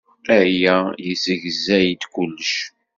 Aya yessegzay-d kullec.